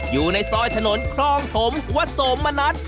อยู่ในซอยถนนคลองถมวัดโสมณัฐ